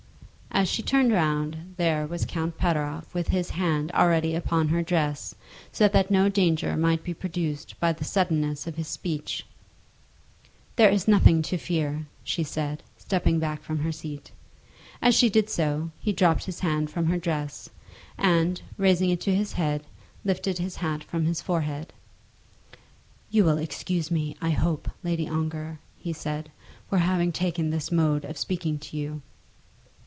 As she turned round there was Count Pateroff with his hand already upon her dress, so that no danger might be produced by the suddenness of his speech. [Illustration: "Lady Ongar, are you not rather near the edge?"] "There is nothing to fear," she said, stepping back from her seat. As she did so, he dropped his hand from her dress, and, raising it to his head, lifted his hat from his forehead. "You will excuse me, I hope, Lady Ongar," he said, "for having taken this mode of speaking to you."